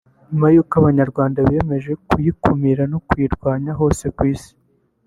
nyuma y’uko Abanyarwanda biyemeje guyikumira no kuyirwanya hose ku Isi